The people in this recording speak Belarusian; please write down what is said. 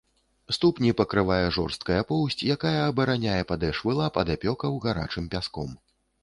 Ступні пакрывае шорсткая поўсць, якая абараняе падэшвы лап ад апёкаў гарачым пяском.